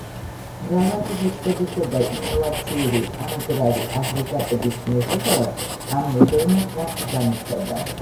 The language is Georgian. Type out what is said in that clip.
მრავალი ღირსებისა და ინოვაციური ამძრავი აგრეგატების მიუხედავად ამ მოდელმა კრახი განიცადა.